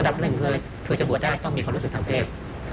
หลักหนึ่งถ้าจะบัวได้ต้องมีความรู้สึกทางเลข